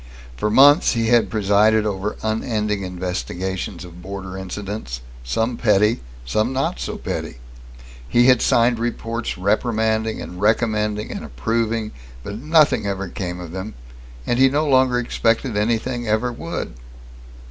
For months he had presided over unending investigations of border incidents, some petty, some not so petty. He had signed reports reprimanding and recommending and approving, but nothing ever came of them, and he no longer expected anything ever would.